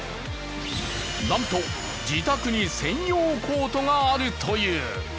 なんと自宅に専用コートがあるという。